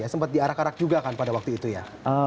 sempat diarak arak juga kan pada waktu itu ya